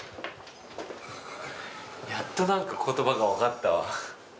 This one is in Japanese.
やっとなんか言葉が分かったわ。